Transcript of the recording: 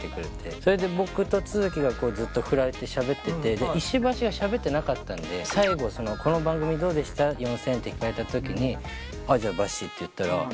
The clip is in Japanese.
それで僕と都築がずっとふられてしゃべってて石橋がしゃべってなかったんで最後。って聞かれた時に「じゃあバッシー」って言ったら。